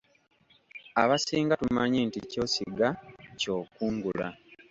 Abasinga tumanyi nti ky'osiga ky'okungula.